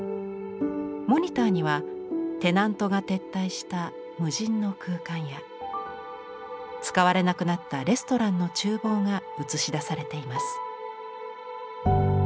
モニターにはテナントが撤退した無人の空間や使われなくなったレストランの厨房が映し出されています。